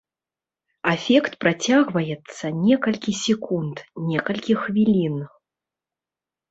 Афект працягваецца некалькі секунд, некалькі хвілін.